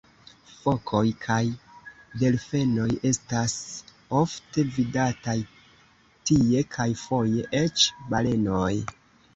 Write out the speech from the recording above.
Fokoj kaj delfenoj estas ofte vidataj tie kaj foje eĉ balenoj.